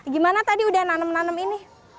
gimana tadi udah nanam nanem ini